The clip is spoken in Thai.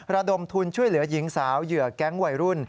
ระดมทุนช่วยเหลือหญิงสาวเหยื่อแก๊งวัยรุ่น